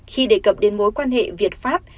khi đề cập đến mối quan hệ việt pháp